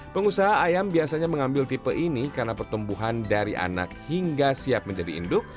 pengusaha ayam biasanya mengambil tipe ini karena pertumbuhan dari anak hingga siap menjadi induk